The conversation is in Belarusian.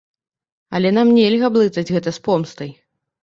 Але нам нельга блытаць гэта з помстай.